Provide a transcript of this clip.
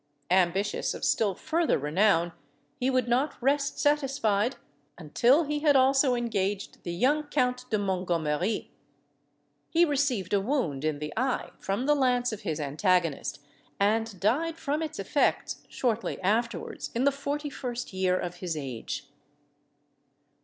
Ambitious of still further renown, he would not rest satisfied until he had also engaged the young Count de Montgommeri. He received a wound in the eye from the lance of his antagonist, and died from its effects shortly afterwards, in the forty first year of his age.